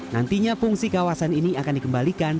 nantinya fungsi kawasan ini akan dikembalikan